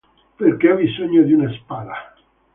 Perché ha bisogno di una spalla".